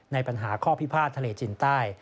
ในปัญหาข้อพิพาททะเลจินใต้